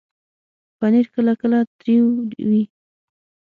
پنېر کله کله تریو وي.